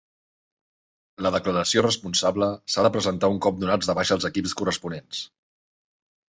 La declaració responsable s'ha de presentar un cop donats de baixa els equips corresponents.